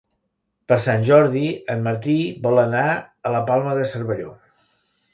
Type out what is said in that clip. Per Sant Jordi en Martí vol anar a la Palma de Cervelló.